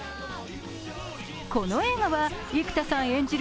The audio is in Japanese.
この映画は生田さん演じる